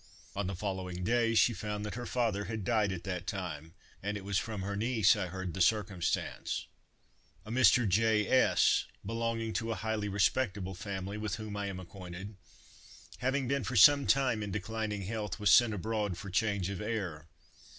On the following day, she found that her father had died at that time; and it was from her niece I heard the circumstance. A Mr. J—— S——, belonging to a highly respectable family, with whom I am acquainted, having been for some time in declining health, was sent abroad for change of air.